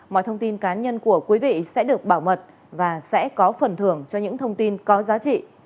mọi thông tin cá nhân của quý vị sẽ được bảo mật và sẽ có phần thưởng cho những thông tin có giá trị